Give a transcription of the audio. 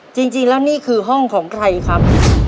จริงแล้วนี่คือห้องของใครครับ